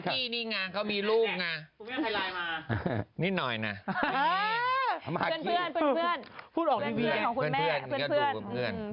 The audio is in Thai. ตอนนี้โอ้โหช่งนี้ช่วงโกยทั้งคู่เนาะ